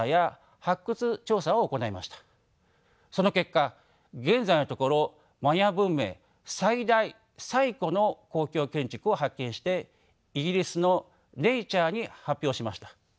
その結果現在のところマヤ文明最大最古の公共建築を発見してイギリスの「ネイチャー」に発表しました。